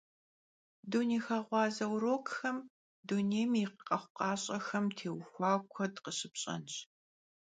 Dunêyxeğuaze vurokxem dunêym yi khexhukhaş'exem têuxuaue kued khışıpş'enş.